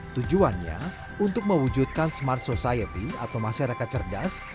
tujuannya untuk mewujudkan smart society atau masyarakat cerdas